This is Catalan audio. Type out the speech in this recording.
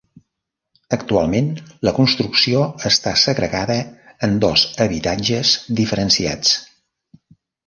Actualment, la construcció està segregada en dos habitatges diferenciats.